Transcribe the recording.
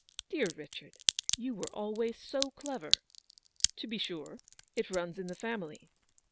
" Dear Richard, you were always so clever." " To be sure ; it runs in the family."